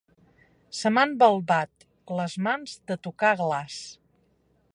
Se m'han balbat les mans de tocar glaç.